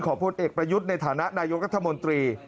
พลเอกประยุทธ์ในฐานะนายกรัฐมนตรี